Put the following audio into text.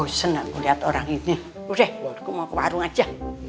bosan gak kulihat orang ini udah gue mau ke warung aja